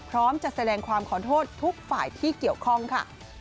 พร้อมจะแสดงความขอโทษทุกฝ่ายที่เกี่ยวข้องค่ะ